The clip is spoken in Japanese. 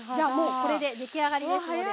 これで出来上がりですので。